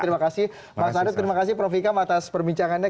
terima kasih mas arief terima kasih prof ikam atas perbincangannya